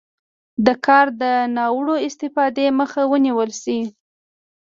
دا کار د ناوړه استفادې مخه ونیول شي.